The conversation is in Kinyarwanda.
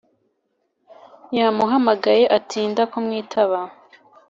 yamuhamagaye atinda kumwitaba